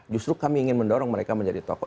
justru kami ingin mendorong mereka menjadi tokoh